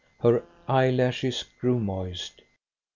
Her eyelashes grew moist.